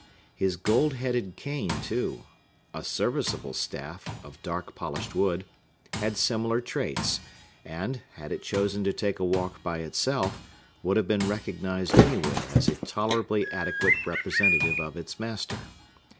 His gold headed cane, too,—a serviceable staff, of dark polished wood,—had similar traits, and, had it chosen to take a walk by itself, would have been recognized anywhere as a tolerably adequate representative of its master.